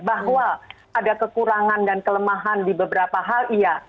bahwa ada kekurangan dan kelemahan di beberapa hal iya